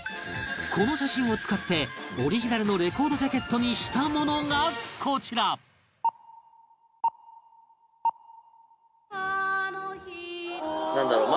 この写真を使ってオリジナルのレコードジャケットにしたものがこちらなんだろう